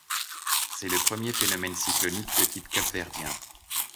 C'est le premier phénomène cyclonique de type capverdien.